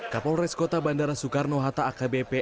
kapolres kota bandara soekarno hatta akbp